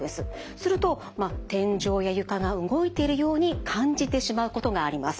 すると天井や床が動いているように感じてしまうことがあります。